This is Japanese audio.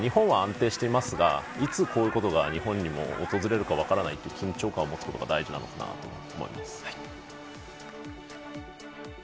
日本は安定していますがいつ、日本でこういうことが起きるか分からないという緊張感を持つことも大事だと思います。